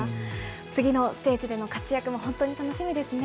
次のステージでの活躍も本当に楽しみですね。